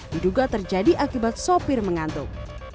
diduga terjadi akibat sopir mengantuk